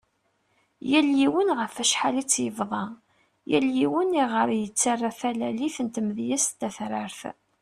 Yal yiwen ɣef acḥal i tt-yebḍa, yal yiwen i ɣer yettara talalit n tmedyazt tatrart .